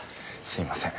すみません。